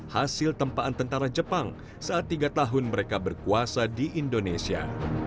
hasil tempaan tentara jepang saat tiga tahun mereka berkuasa di indonesia